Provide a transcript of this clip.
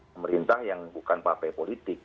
pemerintah yang bukan partai politik